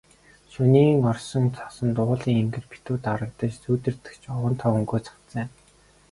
Шөнийн орсон цасанд уулын энгэр битүү дарагдаж, сүүдэртэх ч овон товонгүй цавцайна.